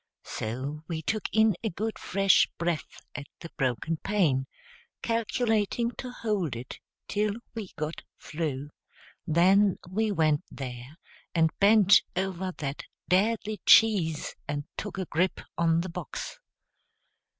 So we took in a good fresh breath at the broken pane, calculating to hold it till we got through; then we went there and bent over that deadly cheese and took a grip on the box.